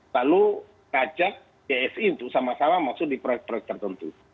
lalu ngajak bsi untuk sama sama masuk di proyek proyek tertentu